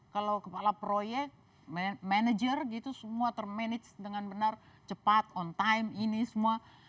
kalau kepala proyek manager gitu semua termanage dengan benar cepat on time ini semua